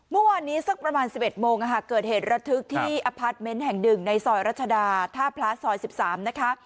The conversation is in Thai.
เมื่อวานนี้สักประมาณ๑๑โมงเกิดเหตุระทึกที่อพาร์ทเมนต์แห่งหนึ่งในซอยรัชดาท่าพระซอย๑๓นะคะ